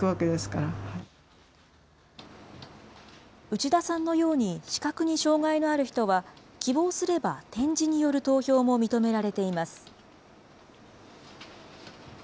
内田さんのように、視覚に障害のある人は、希望すれば点字による投票も認められています。